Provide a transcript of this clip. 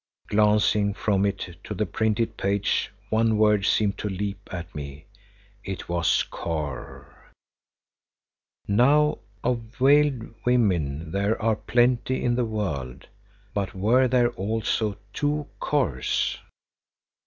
Glancing from it to the printed page one word seemed to leap at me. It was Kôr! Now of veiled women there are plenty in the world, but were there also two Kôrs?